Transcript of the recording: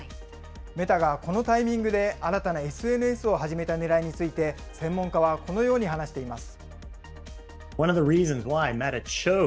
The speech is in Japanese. メタがこのタイミングで新たなＳＮＳを始めたねらいについて、専門家はこのように話しています。